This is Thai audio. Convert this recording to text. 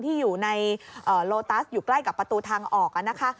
ที่อยู่ในโลตัสอยู่ใกล้กับประตูทางออกนะคะ